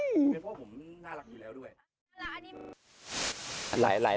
มันเป็นเพราะผมน่ารักอยู่แล้วด้วย